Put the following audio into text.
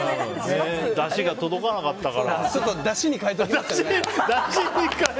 だしが届かなかったから。